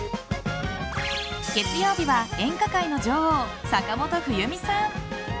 月曜日は演歌界の女王坂本冬美さん。